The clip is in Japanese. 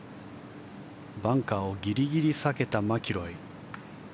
バンカーをギリギリ避けたマキロイ。